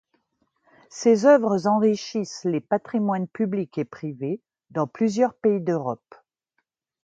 Ses œuvres enrichissent les patrimoines publics et privés dans plusieurs pays d’Europe.